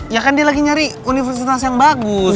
ya kan dia lagi nyari universitas yang bagus